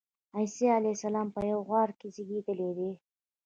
عیسی علیه السلام په یوه غار کې زېږېدلی دی.